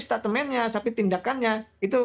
statementnya tapi tindakannya itu